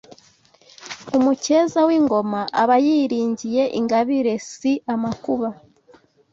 Umukeza w’ingoma aba yiringiye ingabire si amakuba